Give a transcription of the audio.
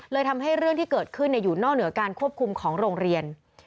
ทำให้เรื่องที่เกิดขึ้นอยู่นอกเหนือการควบคุมของโรงเรียน